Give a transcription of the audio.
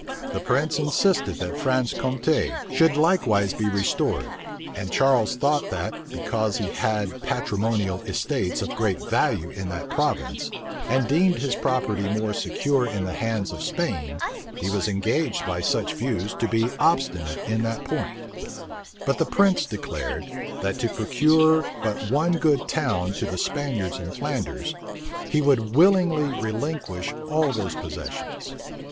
The prince insisted that Franche Compte should likewise be restored and Charles thought that, because he had patrimonial estates of great value in that province, and deemed his property more secure in the hands of Spain, he was engaged by such views to be obstinate in that point: but the prince declared, that to procure but one good town to the Spaniards in Flanders, he would willingly relinquish all those possessions.